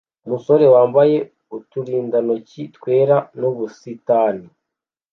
Umusore wambaye uturindantoki twera n'ubusitani